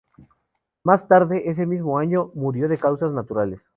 Más tarde, ese mismo año, murió de causas naturales.